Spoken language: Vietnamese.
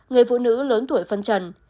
người phụ nữ lớn tuổi phân trần